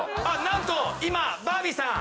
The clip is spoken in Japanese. なんと今バービーさん